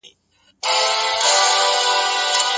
ښایسته د پاچا لور وم پر طالب مینه سومه